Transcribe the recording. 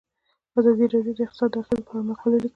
ازادي راډیو د اقتصاد د اغیزو په اړه مقالو لیکلي.